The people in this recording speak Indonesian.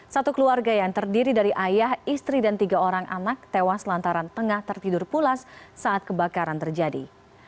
satu keluarga yang terdiri dari ayah istri dan tiga orang anak tewas lantaran tengah tertidur pulas saat kebakaran terjadi